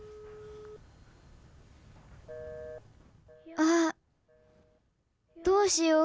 あどうしよう。